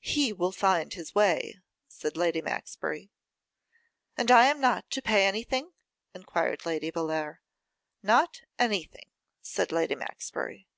'He will find his way,' said Lady Maxbury. 'And I am not to pay anything?' enquired Lady Bellair. 'Not anything,' said Lady Maxbury.